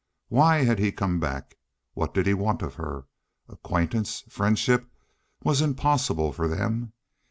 Why had he come back? What did he want of her? Acquaintance, friendship, was impossible for them.